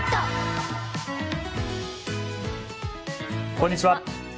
こんにちは。